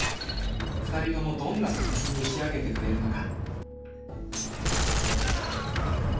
２人ともどんな作品に仕上げてくれるのか？